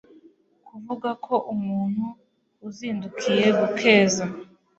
kuvuga ko umuntu uzindukira gukeza